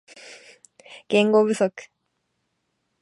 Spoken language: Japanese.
言語不足